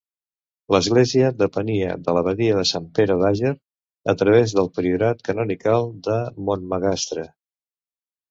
L'església depenia de l'abadia de Sant Pere d'Àger a través del priorat canonical de Montmagastre.